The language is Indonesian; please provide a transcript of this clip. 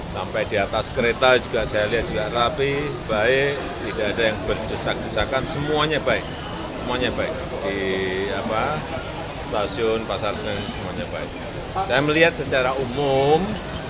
saya melihat secara umum kebanyakan orang orang yang berpengalaman